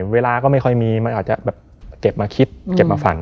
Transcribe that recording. เวลาก็ไม่ค่อยมีมันอาจจะแบบเก็บมาคิดเก็บมาฝัน